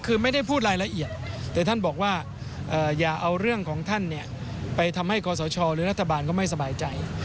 คือไม่ได้พูดรายละเอียดแต่ท่านบอกว่าอย่าเอาเรื่องของท่านไปทำให้กศชหรือรัฐบาลก็ไม่สบายใจ